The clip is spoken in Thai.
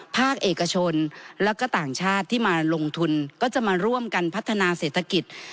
ภาคเอกชนแล้วก็ต่างชาติที่มาลงทุนก็จะมาร่วมกันพัฒนาเศรษฐกิจ